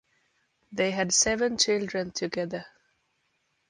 They had seven children together.